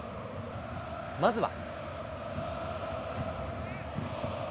まずは。